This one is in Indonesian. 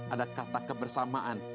ada kata kebersamaan